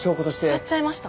使っちゃいました。